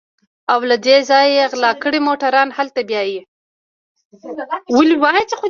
او له دې ځايه غلا کړي موټران هلته بيايي.